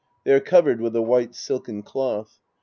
They are covered with a white silken cloth.